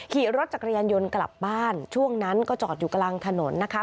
ขี่รถจักรยานยนต์กลับบ้านช่วงนั้นก็จอดอยู่กลางถนนนะคะ